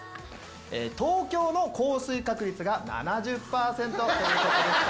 東京の降水確率が７０％ということでした。